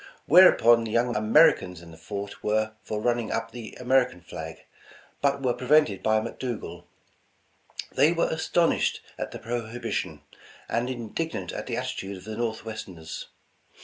Whereupon the young Ameri cans in the fort were for running up the American flag, but were prevented by McDougal. They were as tonished at the prohibition, and indignant at the atti tude of the Northwesters.